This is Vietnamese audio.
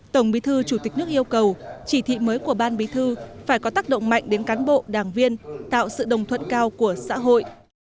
tổng bí thư chủ tịch nước yêu cầu chỉ thị mới của ban bí thư phải có tác động mạnh đến cán bộ đảng viên tạo sự đồng thuận cao của xã hội